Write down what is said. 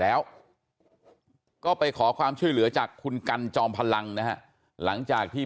แล้วก็ไปขอความช่วยเหลือจากคุณกันจอมพลังนะฮะหลังจากที่